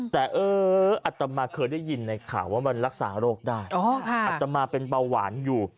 แต่เอออัตมาเคยได้ยินในข่าวว่ามันรักษาโรคได้อัตมาเป็นเบาหวานอยู่